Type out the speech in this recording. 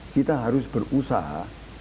kita harus berusaha